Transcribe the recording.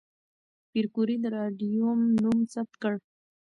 پېیر کوري د راډیوم نوم ثبت کړ.